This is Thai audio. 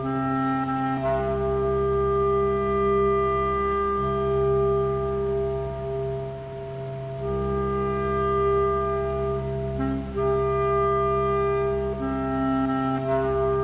โปรดติดตามตอนต่อไป